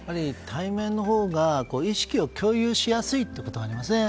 対面のほうが意識を共有しやすいということがありますね。